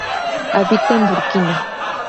Habita en Burkina.